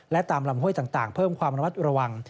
และตามลำห้วยต่างเพิ่มความระมัดระวัง